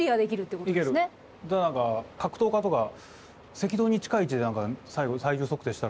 だから格闘家とか赤道に近い位置で最後体重測定したら。